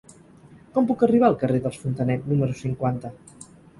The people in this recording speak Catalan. Com puc arribar al carrer dels Fontanet número cinquanta?